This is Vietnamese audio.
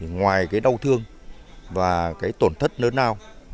ngoài cái đau thương và cái tổn thất lớn nào